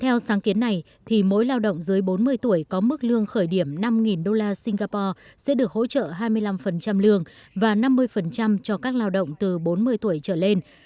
theo sáng kiến này thì mỗi lao động dưới bốn mươi tuổi có mức lương khởi điểm năm đô la singapore sẽ được hỗ trợ hai mươi năm lương và năm mươi cho các lao động từ bốn mươi tuổi trở lên